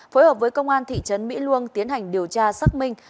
phối hợp với công an thị trấn mỹ luông tiến hành điều tra xác minh